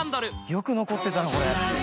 よく残ってたなこれ。